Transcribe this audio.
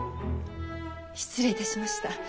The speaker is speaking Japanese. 失礼いたしました。